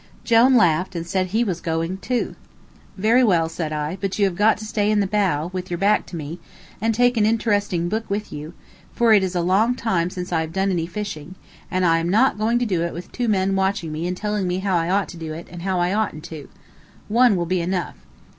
Jone laughed, and said he was going too. "Very well," said I; "but you have got to stay in the bow, with your back to me, and take an interesting book with you, for it is a long time since I have done any fishing, and I am not going to do it with two men watching me and telling me how I ought to do it and how I oughtn't to. One will be enough."